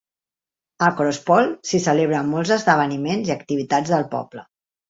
A Crosspool s'hi celebren molts esdeveniments i activitats del poble.